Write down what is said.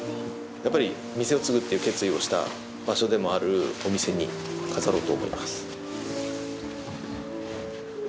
やっぱり店を継ぐっていう決意をした場所でもあるお店に飾ろうと思います。